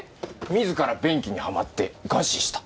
自ら便器にはまって餓死した。